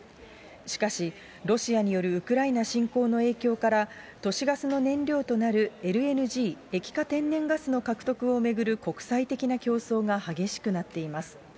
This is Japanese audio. しかし、ロシアによるウクライナ侵攻の影響から、都市ガスの燃料となるＬＮＧ・液化天然ガスの獲得を巡る国際的な競争が激しくなっています。